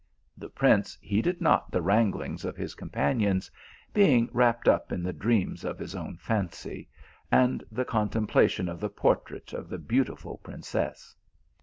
The prince heeded not the wranglings of his companions, being wrapped up in the dreams of his own fancy, and the contemplation of the portrait of the beautiful princess.